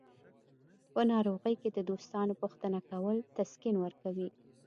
په ناروغۍ کې د دوستانو پوښتنه کول تسکین ورکوي.